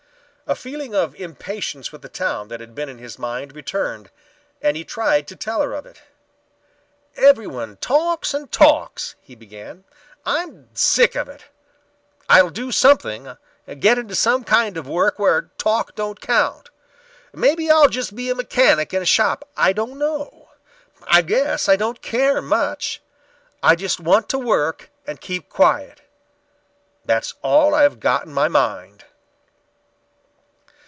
A feeling of impatience with the town that had been in his mind returned, and he tried to tell her of it. "Everyone talks and talks," he began. "I'm sick of it. I'll do something, get into some kind of work where talk don't count. Maybe I'll just be a mechanic in a shop. I don't know. I guess I don't care much. I just want to work and keep quiet. That's all I've got in my mind."